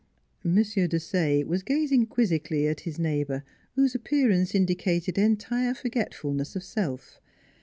' M. Desaye was gazing quizzically at his neighbor, whose appearance indicated entire for getfulness of self.